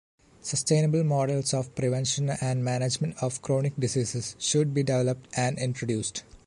Sustainable models of prevention and management of chronic diseases should be developed and introduced.